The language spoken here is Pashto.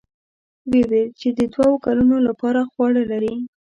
ويې ويل چې د دوو کلونو له پاره خواړه لري.